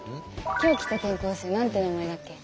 今日来た転校生なんて名前だっけ？